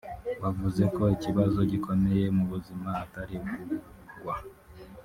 wavuze ko ikibazo gikomeye mu buzima atari ukugwa